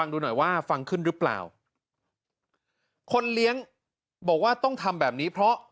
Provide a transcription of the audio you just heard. ดูหน่อยว่าฟังขึ้นหรือเปล่าคนเลี้ยงบอกว่าต้องทำแบบนี้เพราะ